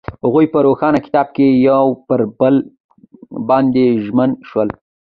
هغوی په روښانه کتاب کې پر بل باندې ژمن شول.